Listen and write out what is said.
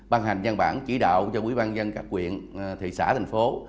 ban hành dân bản chỉ đạo cho quỹ ban dân các quyền thị xã thành phố